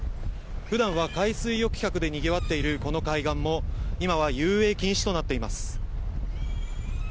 普段は海水浴客でにぎわっているこの海岸も今は遊泳禁止となっています。